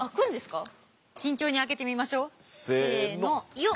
よっ！